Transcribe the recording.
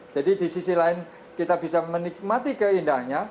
jadi di sisi lain kita bisa menikmati keindahannya